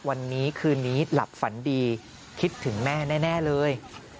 วันนี้คืนนี้หลับฝันดีคิดถึงแม่แน่เลย